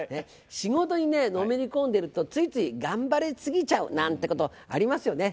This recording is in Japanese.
仕事にのめり込んでるとついつい頑張り過ぎちゃうなんてことありますよね。